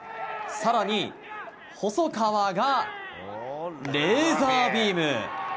更に、細川がレーザービーム！